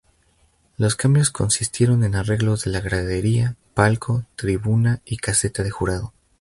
Los cambios consistieron en arreglos de la gradería, palco, tribuna y caseta de jurado.